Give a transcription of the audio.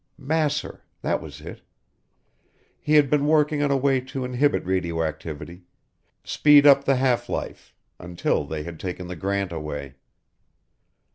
Masser that was it. He had been working on a way to inhibit radioactivity speed up the half life until they had taken the grant away.